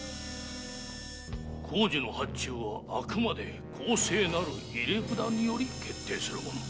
工事の発注はあくまで公正なる入札により決定するもの。